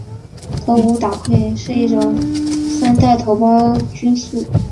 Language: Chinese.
头孢达肟是一种第三代头孢菌素。